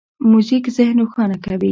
موزیک ذهن روښانه کوي.